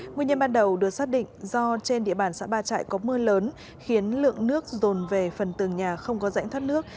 nguyên nhân ban đầu được xác định do trên địa bàn xã ba trại có mưa lớn khiến lượng nước rồn về phần tường nhà không có rãnh thoát nước